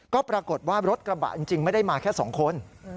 ก็ปรากฏว่ารถกระบะจริงไม่ได้มาแค่๒คน